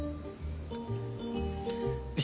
よし。